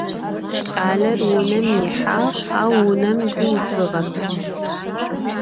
Ç'aler vunem yihağ, au vunem zi yisığep.